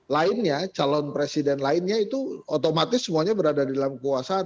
lainnya calon presiden lainnya itu otomatis semuanya berada di dalam kekuasaan